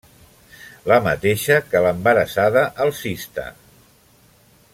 La mateixa que l'Embarassada alcista.